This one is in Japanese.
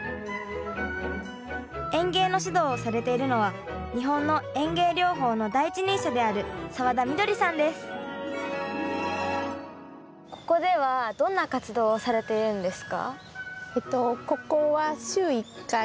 園芸の指導をされているのは日本の園芸療法の第一人者であるここではどんな活動をされてるんですか？